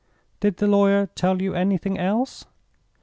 "Did the lawyer tell you anything else?"